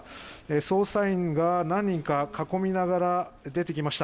捜査員が何人か囲みながら出てきました。